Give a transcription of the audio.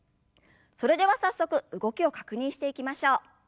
それでは早速動きを確認していきましょう。